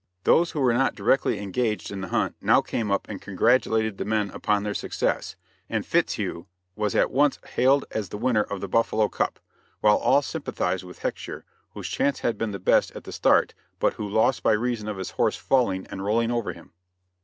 Those who were not directly engaged in the hunt now came up and congratulated the men upon their success, and Fitzhugh was at once hailed as the winner of the buffalo cup; while all sympathized with Hecksher, whose chance had been the best at the start, but who lost by reason of his horse falling and rolling over him.